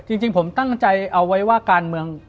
จริงผมตั้งใจเอาไว้ว่าการเมือง